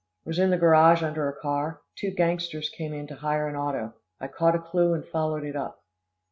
"Was in the garage under a car two gangsters came in to hire an auto I caught a clue and followed it up."